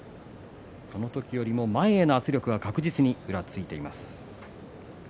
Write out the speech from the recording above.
その時よりも前への圧力は確実に宇良ついています。